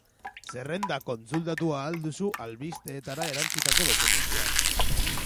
Zerrenda kontsultatu ahal duzu albistera erantsitako dokumentuan.